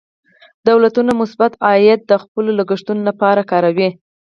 دولتونه مثبت عاید د خپلو لګښتونو لپاره کاروي.